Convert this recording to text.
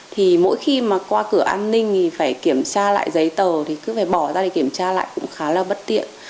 thì mỗi khi mà qua cửa an ninh thì phải kiểm tra lại giấy tờ thì cứ phải bỏ ra để kiểm tra lại cũng khá là bất tiện